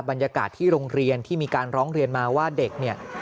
บรรยากาศที่โรงเรียนที่มีการร้องเรียนมาว่าเด็กเนี่ย